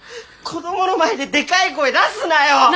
子どもの前ででかい声出すなよ！